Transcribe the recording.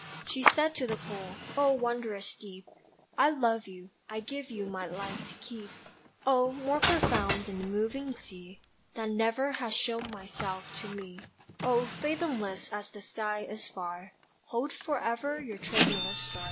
She said to the pool: "Oh, wondrous deep, I love you, I give you my light to keep. Oh, more profound than the moving sea That never has shown myself to me! Oh, fathomless as the sky is far, Hold forever your tremulous star!"